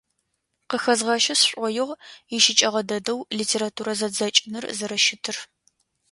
Къыхэзгъэщы сшӏоигъу ищыкӏэгъэ дэдэу литературэ зэдзэкӏыныр зэрэщытыр.